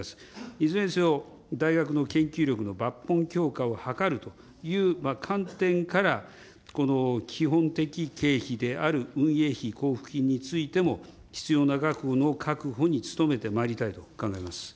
いずれにせよ、大学の研究力の抜本強化を図るという観点から、この基本的経費である運営費、交付金についても必要な額の確保に努めてまいりたいと考えます。